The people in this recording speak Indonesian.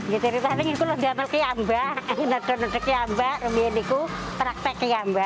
sejak kemarin saya sudah bekerja di kiamba di kiamba dan di sini saya berlatih di kiamba